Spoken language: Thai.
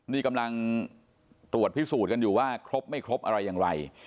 นี่กำลังตรวจพิสูจน์กันอยู่ว่าครบไม่ครบอะไรอย่างไร